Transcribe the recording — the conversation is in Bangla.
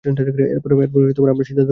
এরপর আমরা সিদ্ধান্ত নিবো।